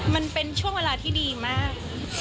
มันเป็นช่วงเวลาที่ดีมาก